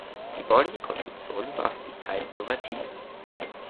Die bauliche Konstruktion war für die Zeit innovativ.